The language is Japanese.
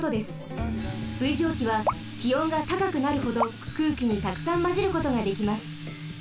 水蒸気はきおんがたかくなるほどくうきにたくさんまじることができます。